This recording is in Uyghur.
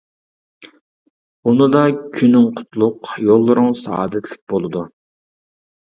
ئۇنىدا كۈنۈڭ قۇتلۇق، يوللىرىڭ سائادەتلىك بولىدۇ.